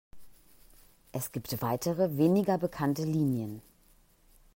Es gibt weitere weniger bekannte Linien.